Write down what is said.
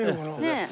ねえ。